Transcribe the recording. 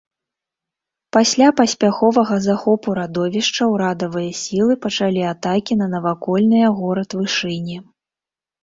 Пасля паспяховага захопу радовішча ўрадавыя сілы пачалі атакі на навакольныя горад вышыні.